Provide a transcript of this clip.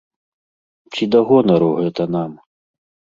Ці да гонару гэта нам?